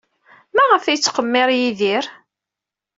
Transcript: Maɣef ay yettqemmir Yidir?